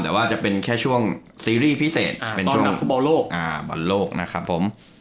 แต่ว่าจะเป็นแค่ช่วงซีรีส์พิเศษเป็นช่วงของฟุตบอลโลกบอลโลกนะครับผม